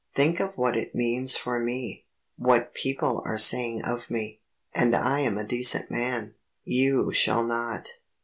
Think of what it means for me, what people are saying of me, and I am a decent man You shall not.